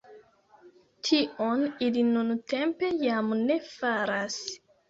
Tion ili nuntempe jam ne faras.